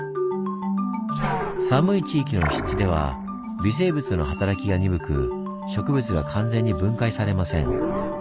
寒い地域の湿地では微生物の働きが鈍く植物が完全に分解されません。